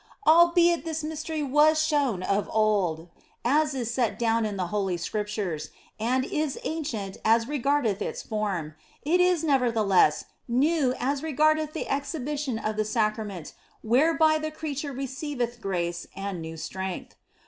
Albeit this Mystery was shown of old, as is set down in the Holv Scriptures, and is ancient as regardeth its form, it is never theless new as regardeth the exhibition of the Sacrament whereby the creature receiveth grace and new strength.